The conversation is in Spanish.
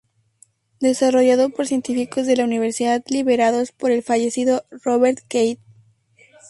Desarrollado por científicos de la universidad liderados por el fallecido Robert Cade.